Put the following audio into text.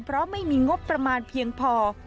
เพราะไม่มีงบประมาณเพียงพอ